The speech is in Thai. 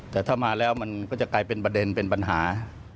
แต่ถ้ามาแล้วมันก็จะกลายเป็นประเด็นเป็นปัญหา